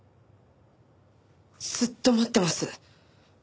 ずっと待ってます。